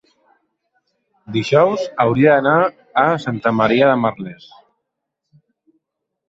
dijous hauria d'anar a Santa Maria de Merlès.